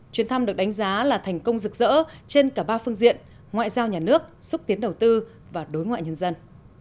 chuyến thăm được đánh giá là thành công rực rỡ trên cả ba phương diện ngoại giao nhà nước xúc tiến đầu tư và đối ngoại nhân dân